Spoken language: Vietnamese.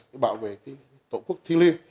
nó bảo vệ cái tổ quốc thi liên